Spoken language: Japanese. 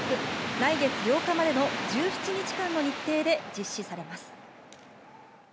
来月８日までの１７日間の日程で実施されます。